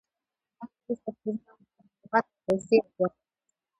دا درې فکتورونه مواد او پیسې او وخت دي.